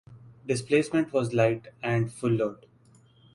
Displacement was light and full load.